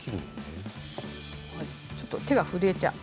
ちょっと手が震えちゃう。